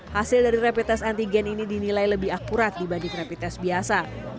hasil dari rapid test antigen ini dinilai lebih akurat dibanding rapid test biasa